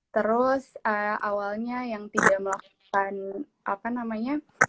terus awalnya yang tidak melakukan apa namanya